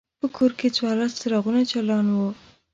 په کور کې څوارلس څراغونه چالان وو.